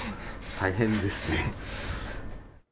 大変ですね。